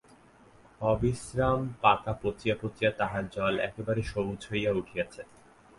অবিশ্রাম পাতা পচিয়া পচিয়া তাহার জল একেবারে সবুজ হইয়া উঠিয়াছে।